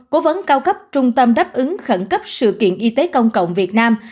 cố vấn cao cấp trung tâm đáp ứng khẩn cấp sự kiện y tế công cộng việt nam